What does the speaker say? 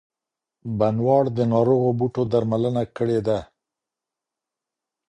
بڼوال د ناروغو بوټو درملنه کړې ده.